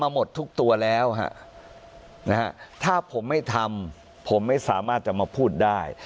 หมดทุกตัวแล้วฮะนะฮะถ้าผมไม่ทำผมไม่สามารถจะมาพูดได้